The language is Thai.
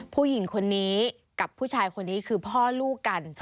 ผู้หญิงคนนี้กับผู้ชายคนนี้คือพ่อลูกกัน